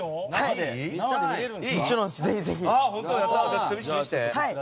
もちろん、ぜひぜひ。